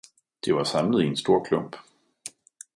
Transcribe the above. Det var samlet i en stor klump.